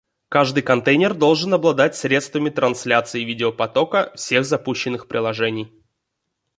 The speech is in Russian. Каждый контейнер должен обладать средствами трансляции видеопотока всех запущенных приложений